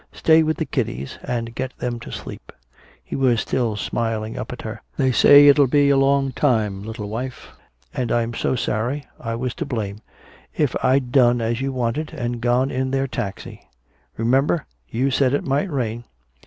Stay with the kiddies and get 'em to sleep." He was still smiling up at her. "They say it'll be a long time, little wife and I'm so sorry I was to blame. If I'd done as you wanted and gone in their taxi. Remember? You said it might rain."